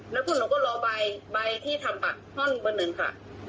แล้วคุณหนูก็รอใบใบที่ทำปากห้อหนูเบอร์หนึ่งค่ะ